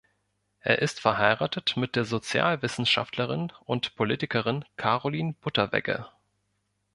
Er ist verheiratet mit der Sozialwissenschaftlerin und Politikerin Carolin Butterwegge.